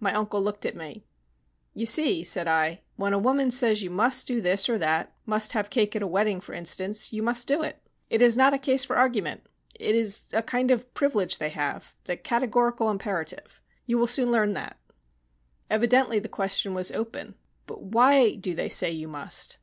My uncle looked at me. "You see," said I, "when a woman says you must do this or that must have cake at a wedding, for instance you must do it. It is not a case for argument. It is a kind of privilege they have the categorical imperative. You will soon learn that." Evidently the question was open. "But why do they say you must?"